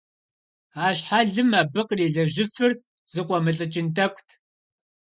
А щхьэлым абы кърилэжьыфыр зыкъуэмылӀыкӀын тӀэкӀут.